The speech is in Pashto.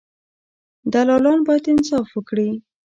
دلالان باید انصاف وکړي.